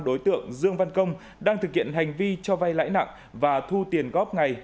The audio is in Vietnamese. đối tượng dương văn công đang thực hiện hành vi cho vay lãi nặng và thu tiền góp ngày